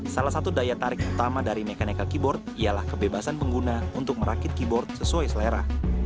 salah satu daya tarik utama dari mechanical keyboard ialah kebebasan pengguna untuk merakit keyboard sesuai selera